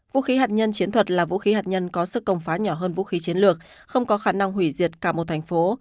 vũ khí hạt nhân chiến thuật là vũ khí hạt nhân có sức công phá nhỏ hơn vũ khí chiến lược không có khả năng hủy diệt cả một thành phố